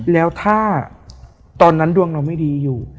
แล้วถ้าตอนนั้นดวงเราไม่ดีอยู่